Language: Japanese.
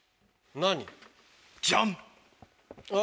何？